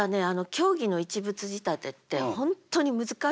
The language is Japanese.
狭義の一物仕立てって本当に難しい。